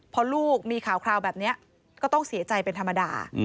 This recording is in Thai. พอลูกมีข่าวคราวแบบนี้ก็ต้องเสียใจเป็นธรรมดา